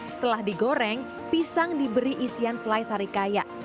setelah digoreng pisang diberi isian selai sarikaya